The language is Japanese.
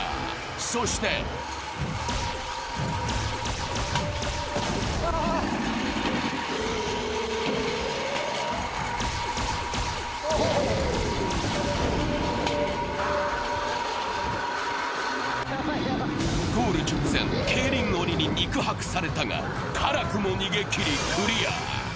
そしてゴール直前、競輪鬼に肉薄されたが辛くも逃げきりクリア。